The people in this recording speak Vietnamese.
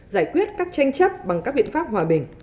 giải quyết các tranh chấp bằng các biện pháp hòa bình